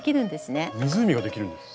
湖ができるんです？